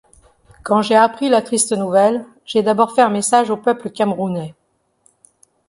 Quand j'ai appris la triste nouvelle, j'ai d'abord fait un message au peuple camerounais.